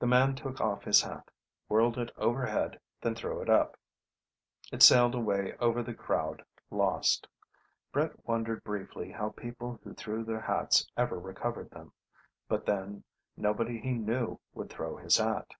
The man took off his hat, whirled it overhead, then threw it up. It sailed away over the crowd, lost. Brett wondered briefly how people who threw their hats ever recovered them. But then, nobody he knew would throw his hat